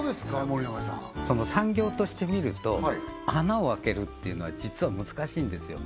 森永さんその産業として見ると穴を開けるっていうのは実は難しいんですよ